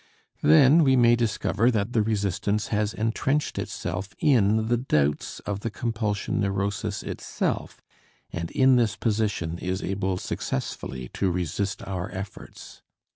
Then we may discover that the resistance has entrenched itself in the doubts of the compulsion neurosis itself and in this position is able successfully to resist our efforts.